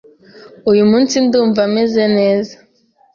Uyu munsi ndumva meze neza .